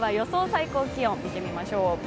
最高気温見てみましょう。